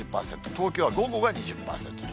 東京は午後が２０％。